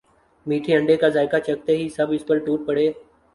میٹھے انڈے کا ذائقہ چکھتے ہی سب اس پر ٹوٹ پڑے